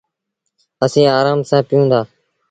اسيٚݩ آرآم سآݩ پيٚئون دآ۔